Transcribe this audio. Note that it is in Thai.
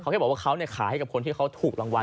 แค่บอกว่าเขาขายให้กับคนที่เขาถูกรางวัล